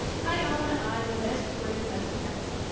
I own I was as curious as the next.